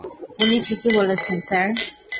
উনি ঠিকই বলেছেন, স্যার।